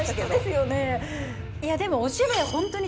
いやでも。